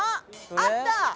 あった！